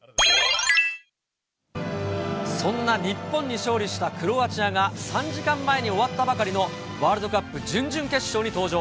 そんな日本に勝利したクロアチアが３時間前に終わったばかりのワールドカップ準々決勝に登場。